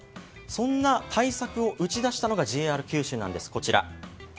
そんな対策を打ち出したのがＪＲ九州なんです。